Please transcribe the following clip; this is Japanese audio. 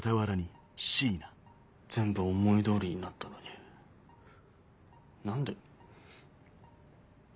全部思い通りになったのに何で。